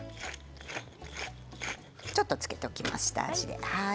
ちょっと付けておきました下味。